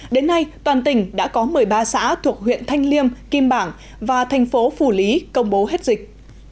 đến nay toàn tỉnh đã có một mươi ba xã thuộc huyện thanh liêm kim bảng và thành phố phủ lý công bố hết dịch